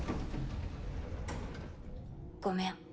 ごめん。